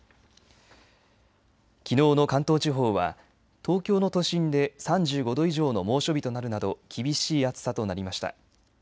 きのうの関東地方は東京の都心で３５度以上の猛暑日となるなど厳しい暑さとなりました。